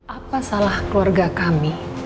apa salah keluarga kami